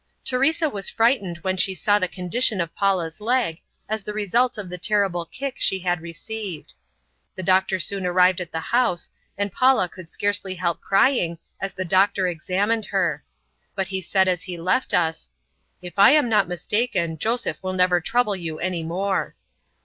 Teresa was frightened when she saw the condition of Paula's leg, as the result of the terrible kick she had received. The doctor soon arrived at the house, and Paula could scarcely help crying as the doctor examined her; but he said as he left us, "If I am not mistaken, Joseph will never trouble you any more."